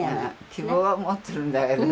希望は持ってるんだけどね。